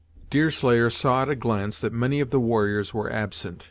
Deerslayer saw at a glance that many of the warriors were absent.